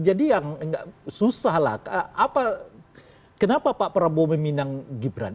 jadi yang susah lah kenapa pak prabowo meminang gibran